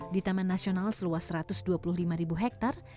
di taman nasional seluas satu ratus dua puluh lima ribu hektare